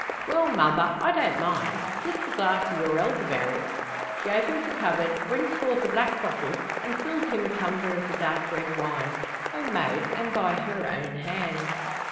"Well, mother; I don't mind. Just a glass o' your elderberry." She opens a cupboard, brings forth a black bottle, and fills him a tumbler of the dark red wine home made, and by her own hands.